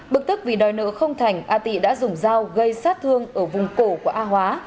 bực tức vì đòi nợ không thành a tị đã dùng dao gây sát thương ở vùng cổ của a hóa